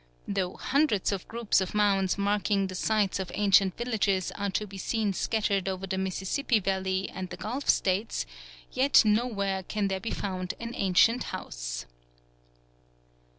Though hundreds of groups of mounds marking the sites of ancient villages are to be seen scattered over the Mississippi Valley and the Gulf States, yet nowhere can there be found an ancient house."